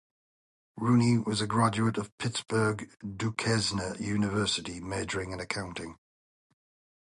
Rooney was a graduate of Pittsburgh's Duquesne University, majoring in accounting.